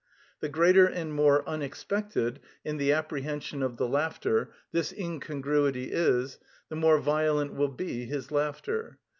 The greater and more unexpected, in the apprehension of the laughter, this incongruity is, the more violent will be his laughter.